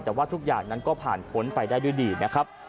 แต่ว่าทุกอย่างนั้นก็ผ่านพ้นไปได้ด้วยดีนะครับ